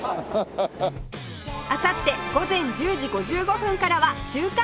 あさって午前１０時５５分からは『週刊！